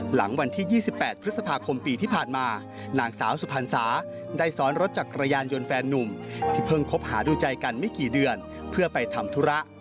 หลังวันที่๒๘พฤษภาคมปีที่ผ่านมานางสาวสุพรรณสาได้ซ้อนรถจักรยานยนต์แฟนนุ่มที่เพิ่งคบหาดูใจกันไม่กี่เดือนเพื่อไปทำธุระ